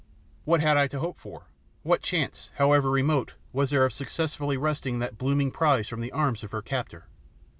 What had I to hope for? What chance, however remote, was there of successfully wresting that blooming prize from the arms of her captor?